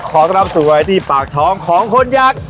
ขอรับสุขไว้ที่ปากท้องของคนยักษ์